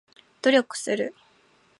努力する